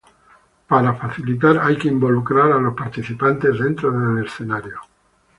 Para facilitar hay que involucrar a los participantes dentro del escenario.